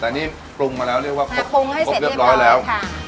แต่นี่ปรุงมาแล้วเรียกว่าปรุงให้ครบเรียบร้อยแล้วค่ะ